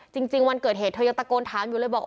จริงวันเกิดเหตุเธอยังตะโกนถามอยู่เลยบอก